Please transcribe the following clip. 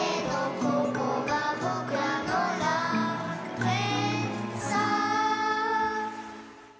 「ここがぼくらの楽園さ」